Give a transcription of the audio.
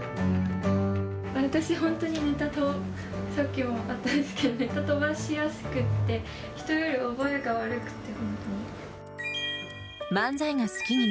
私本当に、ネタ、さっきもあったけど、ネタ飛ばしやすくて、人より覚えが悪くて、本当に。